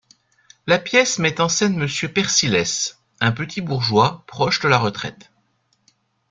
La pièce met en scène Monsieur Persilès, un petit bourgeois proche de la retraite.